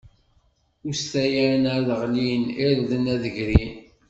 Ustayen ad ɣlin, irden ad d-grin.